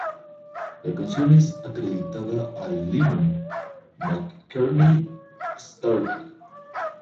La canción es acreditada a Lennon—McCartney—Starkey.